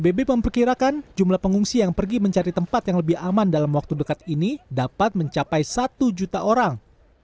bb memperkirakan jumlah pengungsi yang pergi mencari tempat yang lebih aman dalam waktu dekat ini dapat mencapai satu juta orang